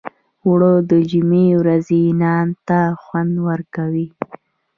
اوړه د جمعې ورځې نان ته خوند ورکوي